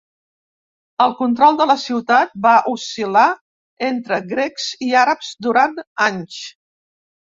El control de la ciutat va oscil·lar entre grecs i àrabs durant anys.